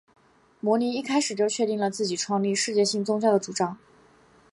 摩尼一开始就确定了自己创立世界性宗教的主张。